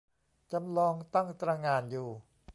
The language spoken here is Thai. จำลองตั้งตระหง่านอยู่